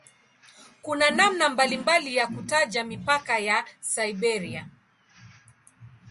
Kuna namna mbalimbali ya kutaja mipaka ya "Siberia".